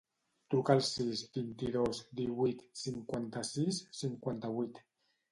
Truca al sis, vint-i-dos, divuit, cinquanta-sis, cinquanta-vuit.